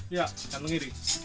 iya ikan tenggiri